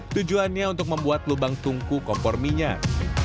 tujuannya untuk membuat lubang tungku kompor minyak